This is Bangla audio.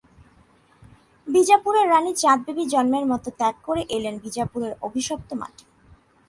বিজাপুরের রানী চাঁদবিবি জন্মের মতো ত্যাগ করে এলেন বিজাপুরের অভিশপ্ত মাটি।